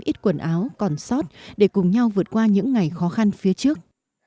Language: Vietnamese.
ít quần áo còn sót để cùng nhau vượt qua những ngày khó khăn phía trước